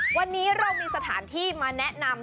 เพราะเรามีสถานที่มาแนะนำ